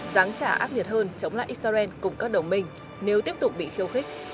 giáng trả áp nhiệt hơn chống lại israel cùng các đồng minh nếu tiếp tục bị khiêu khích